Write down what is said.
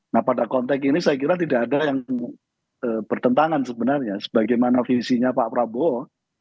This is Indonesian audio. nah pada konteks ini saya kira tidak ada yang bertentangan sebenarnya sebagaimana visinya pak prabowo